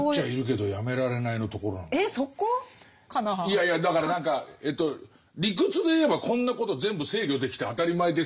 いやいやだから何か理屈で言えばこんなこと全部制御できて当たり前ですよ。